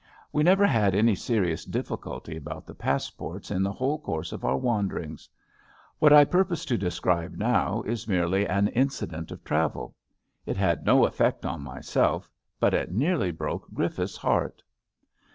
. We never had any serious difl&culty about the passports in the whole course of our wanderings. What I purpose to describe now is merely an in cident of travel. It had no effect on myself, but it nearly broke Griffiths' heart.